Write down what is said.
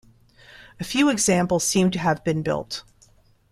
A few examples seem to have been built.